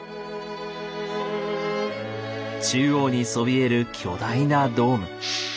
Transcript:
中央にそびえる巨大なドーム。